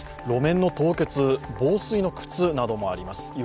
路面の凍結、防水の靴などもあります。